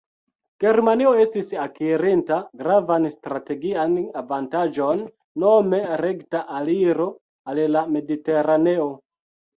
Germanio estis akirinta gravan strategian avantaĝon: nome rekta aliro al la Mediteraneo.